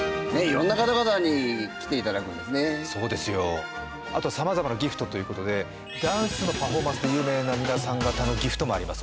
色んな方々に来ていただくんですねそうですよあと様々なギフトということでダンスのパフォーマンスで有名な皆さん方のギフトもあります